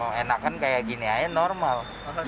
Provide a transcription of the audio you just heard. oh enak kan kayak gini aja normal